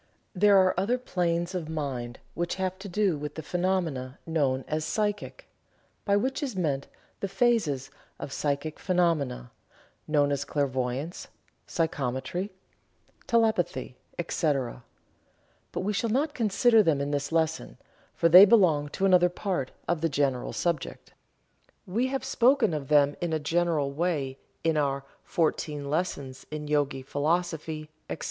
There are other planes of mind which have to do with the phenomena known as "psychic," by which is meant the phases of psychic phenomena known as clairvoyance, psychometry, telepathy, etc., but we shall not consider them in this lesson, for they belong to another part of the general subject. We have spoken of them in a general way in our "Fourteen Lessons in Yogi Philosophy, etc."